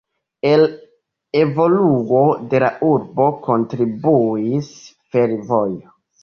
Al evoluo de la urbo kontribuis fervojo.